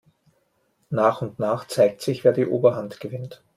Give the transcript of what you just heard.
Nach und nach zeigt sich, wer die Oberhand gewinnt.